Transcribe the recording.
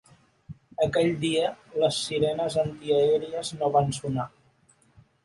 Aquell dia les sirenes antiaèries no van sonar.